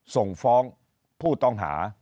ส่งฟ้องผู้ต้องหา